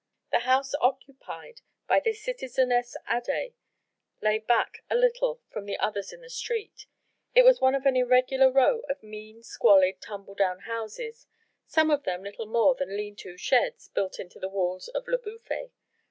The house occupied by the citizeness Adet lay back a little from the others in the street. It was one of an irregular row of mean, squalid, tumble down houses, some of them little more than lean to sheds built into the walls of Le Bouffay.